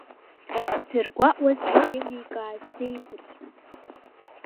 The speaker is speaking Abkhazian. Дзыргәаҟуаз ахьеиликааз деигәырӷьон.